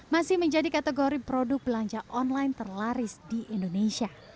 masih menjadi kategori produk belanja online terlaris di indonesia